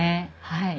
はい。